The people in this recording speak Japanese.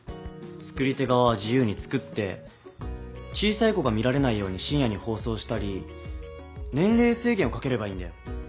作り手がわは自由に作って小さい子が見られないように深夜に放送したり年れいせいげんをかければいいんだよ。